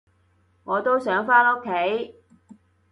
我都想返屋企